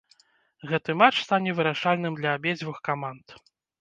Гэты матч стане вырашальным для абедзвюх каманд.